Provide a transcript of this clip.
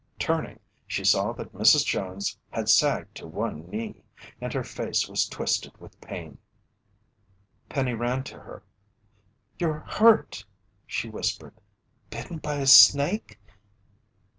Turning, she saw that Mrs. Jones had sagged to one knee, and her face was twisted with pain. Penny ran to her. "You're hurt!" she whispered. "Bitten by a snake?"